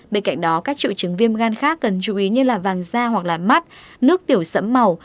bên cạnh đó các triệu chứng viêm gan khác cần chú ý như là vàng da hoặc là mắt nước tiểu sẫm màu